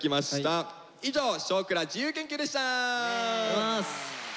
以上「少クラ自由研究」でした。